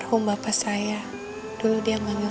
aku mau saran kabur